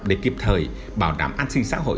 để kịp thời bảo đảm an sinh xã hội